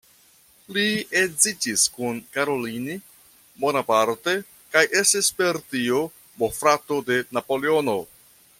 Li edziĝis kun Caroline Bonaparte kaj estis per tio bofrato de Napoleono.